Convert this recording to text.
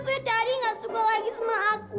soalnya dari gak suka lagi sama aku